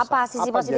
apa sisi positifnya